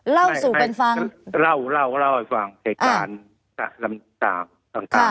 เล่าสู่เป็นฟังเล่าเล่าเล่าให้ฟังเหตุการณ์ต่างต่างต่างต่าง